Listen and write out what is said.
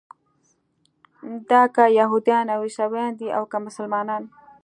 دا که یهودیان او عیسویان دي او که مسلمانان.